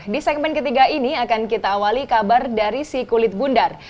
di segmen ketiga ini akan kita awali kabar dari si kulit bundar